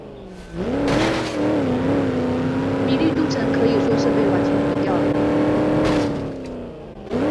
米利都城可以说是被完全毁掉了。